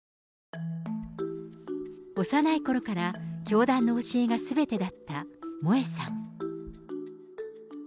幼いころから教団の教えがすべてだった萌さん。